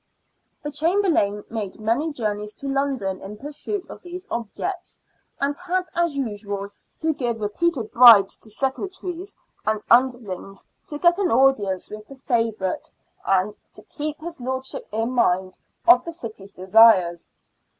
The Chamberlain made many journeys to London in pursuit of these objects, and had, as usual, to give repeated bribes to secretaries and underlings to get an audience with the favourite , and " to keep his lordship in mind " of the city's desires.